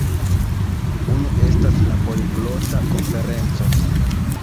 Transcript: Unu estas la Poliglota Konferenco